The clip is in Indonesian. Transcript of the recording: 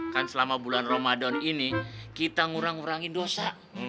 kan selama bulan ramadan ini kita ngurang ngurangin dosa